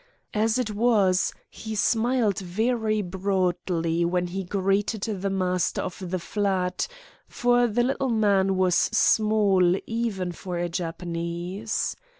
As it was, he smiled very broadly when he greeted the master of the flat, for the little man was small even for a Japanese.